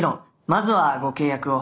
まずはご契約を。